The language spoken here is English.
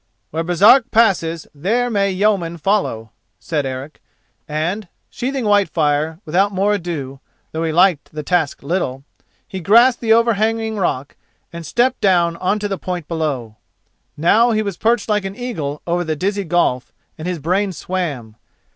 "Where Baresark passes, there may yeoman follow," said Eric and, sheathing Whitefire, without more ado, though he liked the task little, he grasped the overhanging rock and stepped down on to the point below. Now he was perched like an eagle over the dizzy gulf and his brain swam.